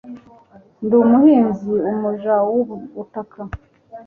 Ndi umuhinzi umuja wubutaka